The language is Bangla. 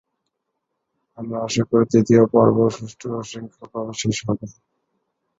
আমরা আশা করি, দ্বিতীয় পর্বও সুষ্ঠু ও সুশৃঙ্খলভাবে শেষ হবে।